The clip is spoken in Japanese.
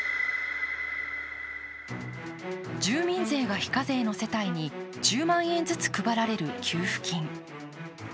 住民税が非課税の世帯に１０万円ずつ配られる給付金。